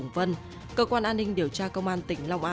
xin chào các bạn